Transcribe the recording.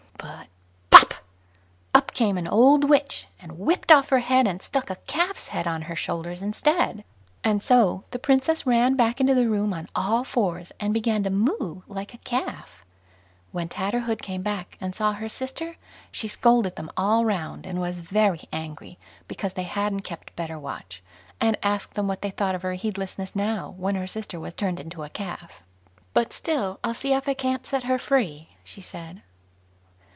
But, POP! up came an old witch, and whipped off her head, and stuck a calf's head on her shoulders instead; and so the Princess ran back into the room on all fours, and began to "moo" like a calf. When Tatterhood came back and saw her sister, she scolded them all round, and was very angry because they hadn't kept better watch, and asked them what they thought of their heedlessness now, when her sister was turned into a calf. "But still I'll see if I can't set her free", she said.